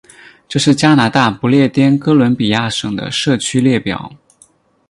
这是加拿大不列颠哥伦比亚省的社区列表。